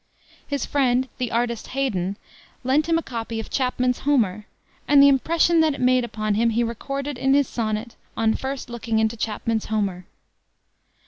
His friend, the artist Haydon, lent him a copy of Chapman's Homer, and the impression that it made upon him he recorded in his sonnet, On First Looking into Chapman's Homer.